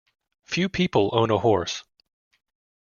Few people own a horse.